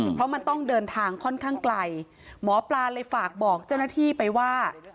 เพราะมันต้องเดินทางค่อนข้างไกลหมอปลาเลยฝากบอกเจ้าหน้าที่ไปว่า